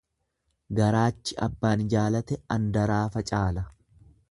Garaachi abbaan jaalate andaraafa caala.